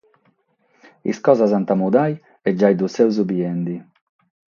Sas cosas ant a mudare, e giai lu semus bidende.